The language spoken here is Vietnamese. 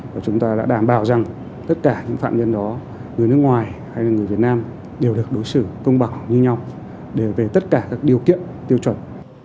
và chúng ta đã đảm bảo rằng tất cả những phạm nhân đó người nước ngoài hay là người việt nam đều được đối xử công bằng như nhau để về tất cả các điều kiện tiêu chuẩn